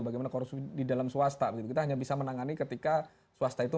bagaimana korupsi di dalam swasta kita hanya bisa menangani ketika swasta itu